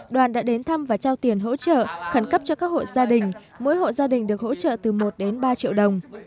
đoàn đã đến thăm và trao tiền hỗ trợ khẩn cấp cho các hộ gia đình mỗi hộ gia đình được hỗ trợ từ một đến ba triệu đồng